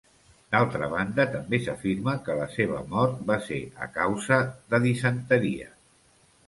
D'altra banda, també s'afirma que la seva mort va ser a causa de disenteria.